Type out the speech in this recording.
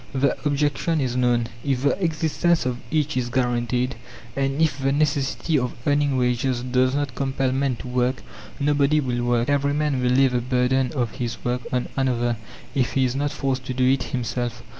The objection is known. "If the existence of each is guaranteed, and if the necessity of earning wages does not compel men to work, nobody will work. Every man will lay the burden of his work on another if he is not forced to do it himself."